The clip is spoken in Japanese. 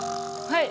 はい。